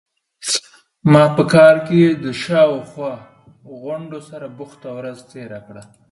ما په کار کې د شا او خوا غونډو سره بوخته ورځ تیره کړه.